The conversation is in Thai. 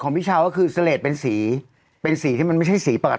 เป็นสีที่มันไม่ใช่สีประเทศ